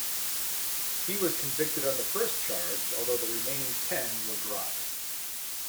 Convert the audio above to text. He was convicted on the first charge, although the remaining ten were dropped.